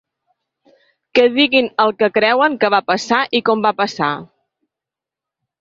Que diguin el què creuen que va passar i com va passar.